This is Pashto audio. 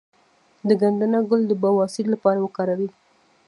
د ګندنه ګل د بواسیر لپاره وکاروئ